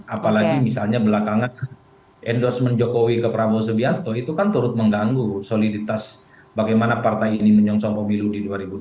apalagi misalnya belakangan endorsement jokowi ke prabowo subianto itu kan turut mengganggu soliditas bagaimana partai ini menyongsong pemilu di dua ribu dua puluh